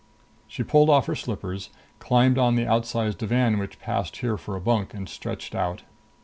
She pulled off her slippers, climbed on the outsized divan which passed here for a bunk, and stretched out.